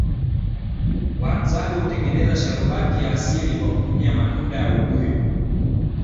wahadzabe hutengeza sharubati ya asili kwa kutumia matunda ya ubuyu